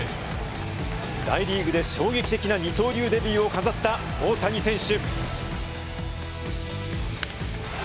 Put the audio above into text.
大リーグで衝撃的な二刀流デビューを飾った大谷選手。